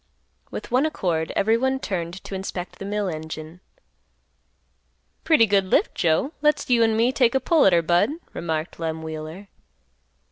With one accord everyone turned to inspect the mill engine. "Pretty good lift, Joe. Let's you an' me take a pull at her, Budd," remarked Lem Wheeler.